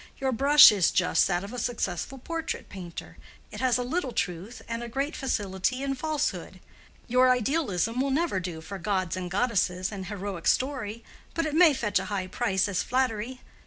Your brush is just that of a successful portrait painter—it has a little truth and a great facility in falsehood—your idealism will never do for gods and goddesses and heroic story, but it may fetch a high price as flattery.